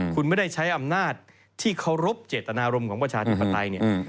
คุณไม่ได้ใช้อำนาจที่เคารพเจตนารมณ์ของประชาธิปไตยเนี่ย